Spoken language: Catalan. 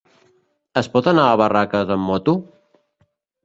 Es pot anar a Barraques amb moto?